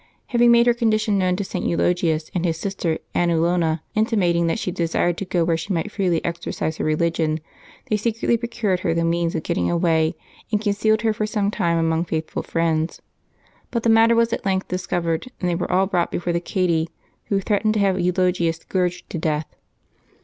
Having made her condition known to St. Eulogius and his sister Anulona, intimating that she desired to go where she might freely exercise her religion, the}^ secretly procured her the means of getting away, and concealed her for some time among faithful friends. But the matter was at length discov ered, and they were all brought before the cadi, who threat ened to have Eulogius scourged to death.